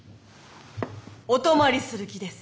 お泊まりする気です。